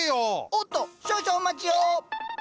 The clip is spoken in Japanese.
おっと少々お待ちを。